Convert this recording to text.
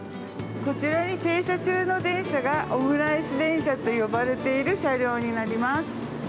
こちらに停車中の電車がオムライス電車と呼ばれている車両になります。